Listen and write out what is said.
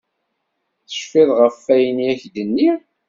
Tecfiḍ ɣef wayen i ak-d-nniɣ?